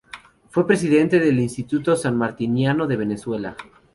Fue presidente del Instituto Sanmartiniano de Venezuela.